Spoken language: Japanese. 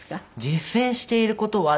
実践している事は。